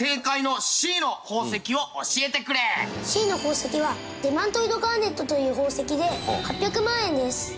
Ｃの宝石はデマントイドガーネットという宝石で８００万円です。